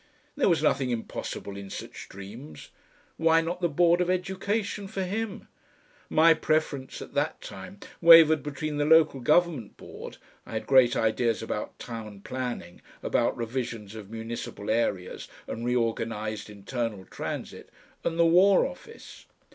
There was nothing impossible in such dreams. Why not the Board of Education for him? My preference at that time wavered between the Local Government Board I had great ideas about town planning, about revisions of municipal areas and re organised internal transit and the War Office.